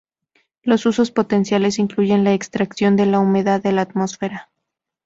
Los usos potenciales incluyen la extracción de la humedad de la atmósfera.